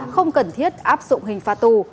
không cần thiết áp dụng hình phá tù